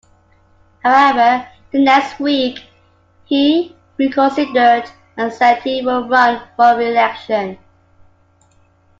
However, the next week, he reconsidered and said he would run for re-election.